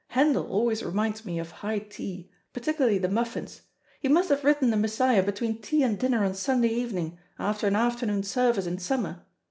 Handel always reminds me of high tea, particularly the muffins. He must have written the 'Messiah' between tea and dinner on Sunday evening, after an afternoon service in summer.